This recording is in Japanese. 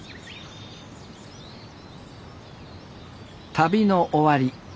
旅の終わり